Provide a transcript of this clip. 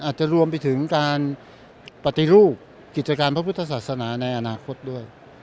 อาจจะรวมไปถึงการปฏิรูปกิจการพระพุทธศาสนาในอนาคตด้วย